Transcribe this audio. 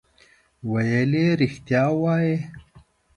ویل یې رښتیا وایې.